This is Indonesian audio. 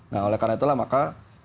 nah oleh karena itulah maka